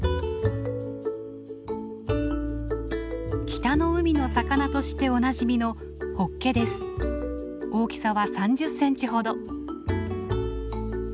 北の海の魚としておなじみの大きさは３０センチほど。